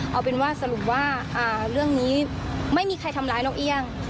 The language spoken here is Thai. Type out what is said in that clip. เอาเป็นว่าสรุปว่าเรื่องนี้ไม่มีใครทำร้ายนกเอี่ยง